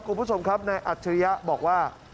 คุณผู้ชมครับนายอัจฉริยะบอกว่า